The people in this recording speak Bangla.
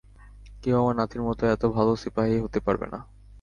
কেউ আমার নাতির মতো এতো ভালো সিপাহী হতে পারবে না।